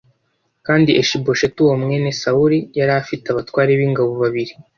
Kandi Ishibosheti uwo mwene Sawuli yari afite abatware b’ingabo babiri